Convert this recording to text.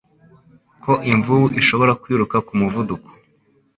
ko imvubu ishobora kwiruka ku muvuduko